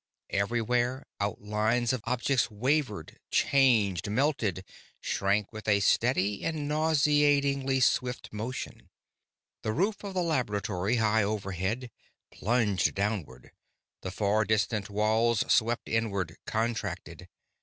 Everywhere outlines of objects wavered, changed melted, shrank with a steady and nauseatingly swift motion. The roof of the laboratory high overhead plunged downward; the far distant walls swept inward, contracted.